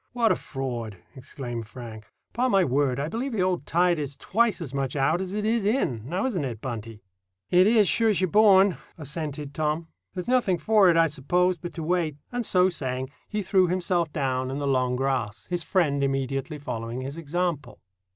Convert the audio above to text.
"What a fraud!" exclaimed Frank. "'Pon my word, I believe the old tide is twice as much out as it is in; now isn't it, Buntie?" "It is, sure's you're born," assented Tom. "There's nothing for it, I suppose, but to wait;" and so saying, he threw himself down in the long grass, his friend immediately following his example.